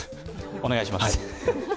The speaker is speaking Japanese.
お願いします。